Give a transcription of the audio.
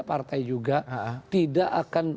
partai juga tidak akan